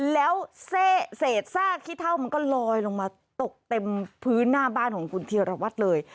แล้วเศษซากขี้เท่ามันก็ลอยลงมาตกเต็มพื้นหน้าบ้านของคุณธีรวัตรเลย